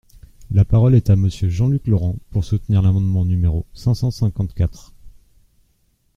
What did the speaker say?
La parole est à Monsieur Jean-Luc Laurent, pour soutenir l’amendement numéro cinq cent cinquante-quatre.